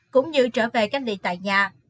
cũng như trở về cách ly tại nhà